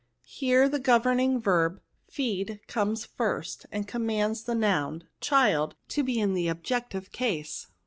Here the governing verb, feedy comes first, and conmxands the noun, child, to be in the objective case.